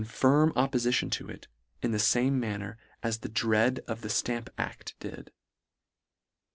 in pofition to it, in the fame manner as the dread of the Stamp ail did.